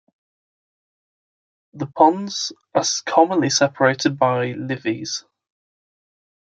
The ponds are commonly separated by levees.